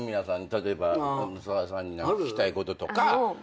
例えばさださんに聞きたいこととか。